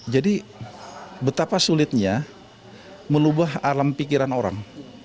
jadi betapa sulitnya melubah alam pikiran orang